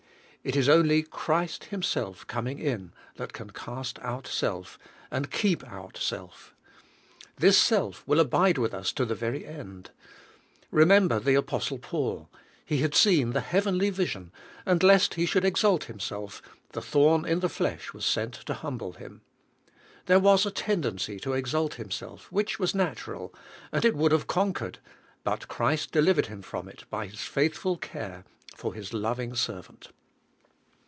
It is only Christ Himself coming in that can cast out self, and keep out self. This self will abide with us to the very end. Remember the Apostle Paul; he had seen the Heavenly vision, and lest he should exalt himself, the thorn in the flesh was sent to humble him. There was a tendency to exalt himself, which was natural, and it would have conquered, but Christ delivered him from it by His faithful care for His loving servant.